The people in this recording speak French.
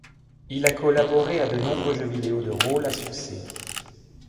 Il a collaboré à de nombreux jeux vidéo de rôle à succès.